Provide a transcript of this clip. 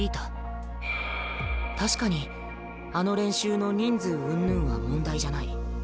確かにあの練習の人数うんぬんは問題じゃない。